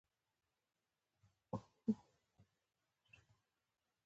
ځکه چې په هره موضوع کې پر خپله خبره کلک ولاړ وي